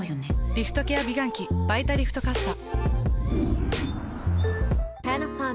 リフトケア美顔器「バイタリフトかっさ」。